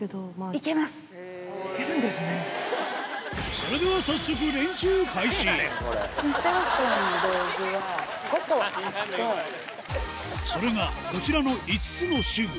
それでは早速それがこちらの５つの手具